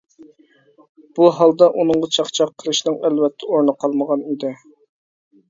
بۇ ھالدا ئۇنىڭغا چاقچاق قىلىشنىڭ ئەلۋەتتە ئورنى قالمىغان ئىدى.